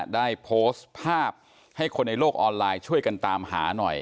ได้โพสต์ภาพให้คนในโลกออนไลน์ช่วยกันตามหาหน่อย